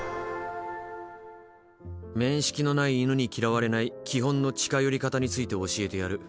面識のない犬に嫌われない基本の近寄り方について教えてやる。